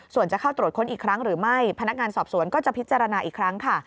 ส่วนจะเข้าตรวจค้นอีกครั้งหรือไม่พนักงานสอบสวนก็จะพิจารณาอีกครั้งค่ะ